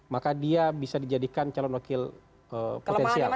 maka dia bisa dijadikan calon wakil potensial